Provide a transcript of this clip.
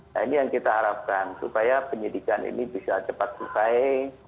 nah ini yang kita harapkan supaya penyidikan ini bisa cepat selesai